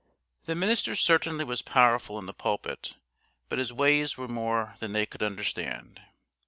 The minister certainly was powerful in the pulpit, but his ways were more than they could understand.